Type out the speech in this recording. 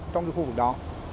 trong cái khu vực đó